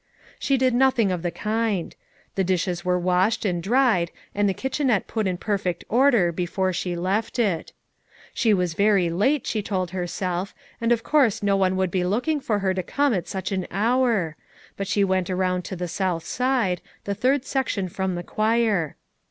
She did nothing of the kind; the dishes were washed and dried and the kitchenette put in perfect order before she left it. She was very late, she told herself, and of course no one would be looking for her to come at such an hour, but she went around to the south side, 180 FOUR MOTHERS AT CHAUTAUQUA the third section from the choir.